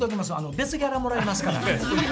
別ギャラもらいますから。